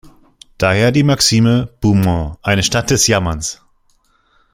Daher die Maxime, „Beaumont, eine Stadt des Jammers.